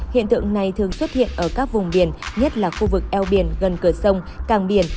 hiện tượng này thường xuất hiện ở các vùng biển nhất là khu vực eo biển gần cửa sông càng biển